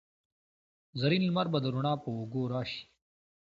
زرین لمر به د روڼا په اوږو راشي